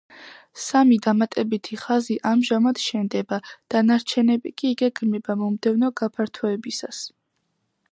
სამი დამატებითი ხაზი ამჟამად შენდება, დანარჩენები კი იგეგმება მომდევნო გაფართოებისას.